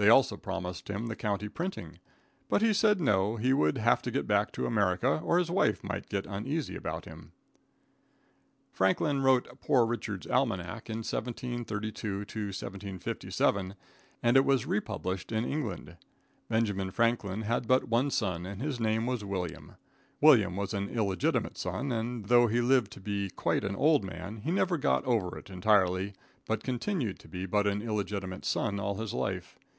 They also promised him the county printing, but he said no, he would have to go back to America, or his wife might get uneasy about him. Franklin wrote "Poor Richard's Almanac" in 1732 57, and it was republished in England. Benjamin Franklin had but one son, and his name was William. William was an illegitimate son, and, though he lived to be quite an old man, he never got over it entirely, but continued to be but an illegitimate son all his life.